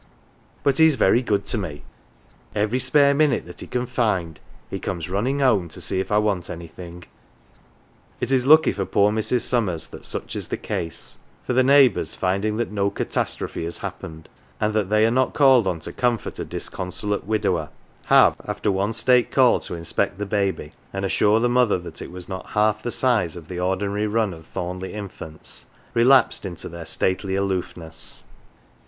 But he's very good to me. Every spare minute that he can find he comes runnin' home to see if I want anything." It is lucky for poor Mrs. Summers that such is the case, for the neighbours, finding that no catastrophe has happened, and that they are not called on to comfort a disconsolate widower, have, after one state call to inspect the baby and assure the mother that it was not half the size of the ordinary run of Thornleigh infants, relapsed into their stately aloofness.